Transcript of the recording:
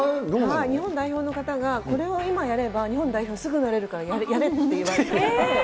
日本代表の方が、これを今やれば、日本代表すぐなれるからやれって言われて。